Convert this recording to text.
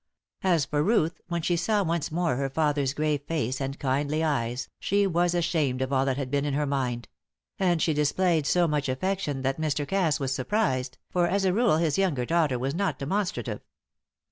As for Ruth, when she saw once more her father's grave face and kindly eyes, she was ashamed of all that had been in her mind; and she displayed so much affection that Mr. Cass was surprised, for as a rule his younger daughter was not demonstrative.